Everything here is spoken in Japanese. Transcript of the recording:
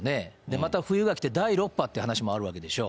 また冬が来て、第６波っていう話もあるわけでしょ。